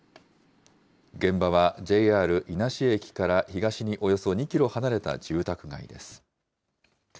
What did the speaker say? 現場はＪＲ伊那市駅から東におよそ２キロ離れた住宅街です。